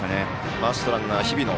ファーストランナー日比野。